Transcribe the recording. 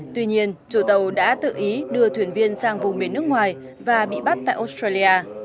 tuy nhiên chủ tàu đã tự ý đưa thuyền viên sang vùng biển nước ngoài và bị bắt tại australia